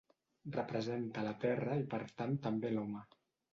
Representa la Terra i per tant també a l'home.